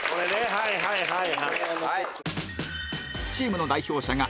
はいはいはい。